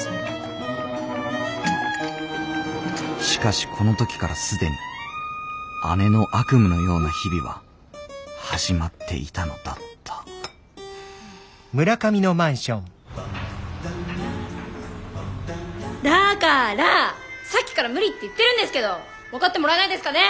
しかしこの時から既に姉の悪夢のような日々は始まっていたのだっただからさっきから無理って言ってるんですけど分かってもらえないですかね！？